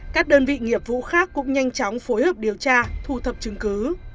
các đơn vị nghiệp vụ khác cũng nhanh chóng phối hợp điều tra thu thập chứng cứ